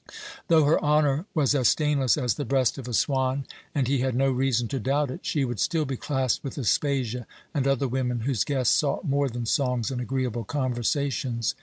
Though her honor was as stainless as the breast of a swan and he had no reason to doubt it she would still be classed with Aspasia and other women whose guests sought more than songs and agreeable conversations.